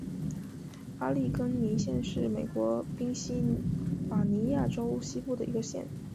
阿利根尼县是美国宾夕法尼亚州西部的一个县。